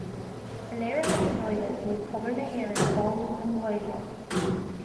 Tá léirithe i dtaighde go bhfuil pobal na hÉireann báúil don Ghaeilge